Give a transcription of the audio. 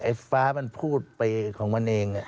ฟ้ามันพูดไปของมันเอง